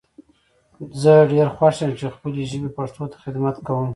زه ډیر خوښ یم چی خپلې ژبي پښتو ته خدمت کوم